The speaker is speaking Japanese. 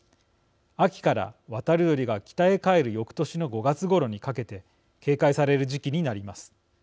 秋から、渡り鳥が北へ帰るよくとしの５月ごろにかけて警戒される時期になります。